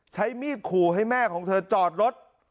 ใช้มีดขู่ให้แม่ของเธอจอดรถ